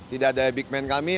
tidak ada big man kami